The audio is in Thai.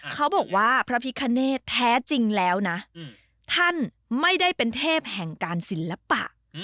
เขาบอกว่าพระพิคเนธแท้จริงแล้วนะท่านไม่ได้เป็นเทพแห่งการศิลปะ